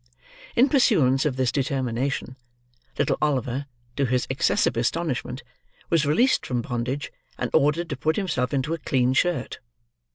In pursuance of this determination, little Oliver, to his excessive astonishment, was released from bondage, and ordered to put himself into a clean shirt.